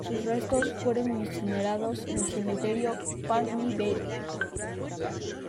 Sus restos fueron incinerados en el Cementerio Putney Vale.